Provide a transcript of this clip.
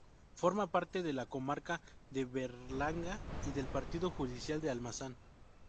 Forma parte de la comarca de Berlanga y del partido judicial de Almazán.